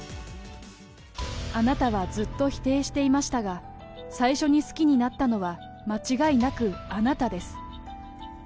あなたはずっと否定していましたが、最初に好きになったのは、間違いなくあなたです。